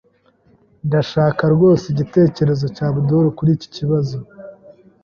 Ndashaka rwose igitekerezo cya Abdul kuri iki kibazo.